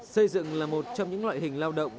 xây dựng là một trong những loại hình lao động